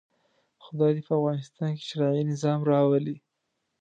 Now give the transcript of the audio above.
خدای دې په افغانستان کې شرعي نظام راولي.